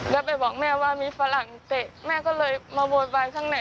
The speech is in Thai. แล้วไปบอกแม่ว่ามีฝรั่งเตะแม่ก็เลยมาโวยวายข้างใน